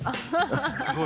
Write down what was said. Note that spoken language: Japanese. すごい。